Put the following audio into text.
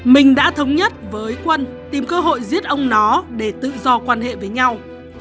mình đã thống nhất với quân tìm cơ hội giết ông nó để tự do quan hệ với nhau